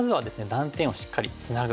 断点をしっかりツナぐ。